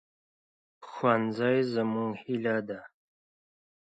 ښوونځی زموږ هیله ده